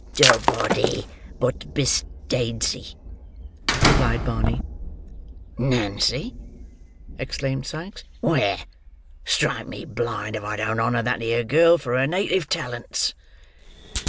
"Dobody but Biss Dadsy," replied Barney. "Nancy!" exclaimed Sikes. "Where? Strike me blind, if I don't honour that 'ere girl, for her native talents."